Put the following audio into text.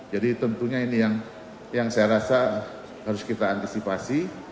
jadi tentunya ini yang saya rasa harus kita antisipasi